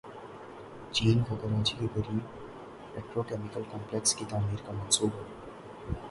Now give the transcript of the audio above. چین کا کراچی کے قریب پیٹرو کیمیکل کمپلیکس کی تعمیر کا منصوبہ